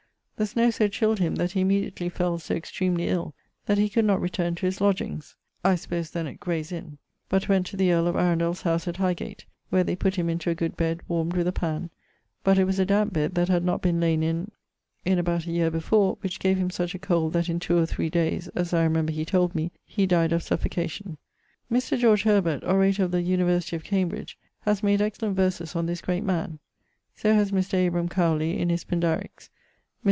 The snow so chilled him, that he immediately fell so extremely ill, that he could not returne to his lodgings (I suppose then at Graye's Inne), but went to the earle of Arundell's house at High gate, where they putt him into a good bed warmed with a panne, but it was a damp bed that had not been layn in in about a yeare before, which gave him such a cold that in 2 or 3 dayes, as I remember he told me, he dyed of suffocation. Mr. George Herbert, Orator of the University of Cambridge, haz made excellent verses on this great man. So haz Mr. Abraham Cowley in his Pindariques. Mr.